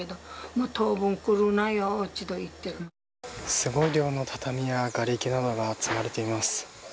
すごい量の畳や瓦れきなどが積まれています。